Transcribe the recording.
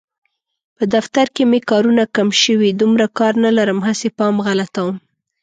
په دفتر کې مې کارونه کم شوي، دومره کار نه لرم هسې پام غلطوم.